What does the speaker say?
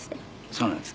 そうなんです。